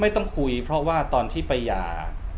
ต้องคุยเพราะว่าตอนที่ไปหย่า